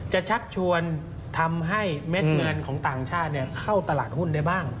ชักชวนทำให้เม็ดเงินของต่างชาติเข้าตลาดหุ้นได้บ้าง